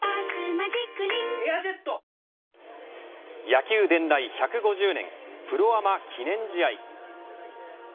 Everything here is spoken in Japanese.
野球伝来１５０年プロアマ記念試合。